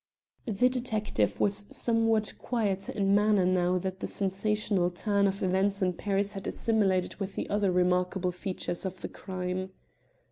The detective was somewhat quieter in manner now that the sensational turn of events in Paris had assimilated with the other remarkable features of the crime.